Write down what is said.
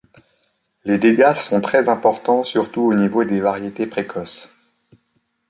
Les dégâts sont très importants surtout au niveau des variétés précoces.